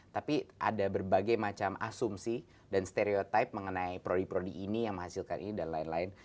tapi ada berbagai macam asumsi dan stereotype mengenai prodi prodi ini yang menghasilkan ini dan lain lain